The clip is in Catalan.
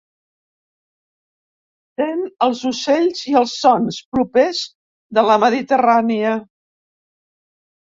Sent els ocells i els sons propers de la Mediterrània.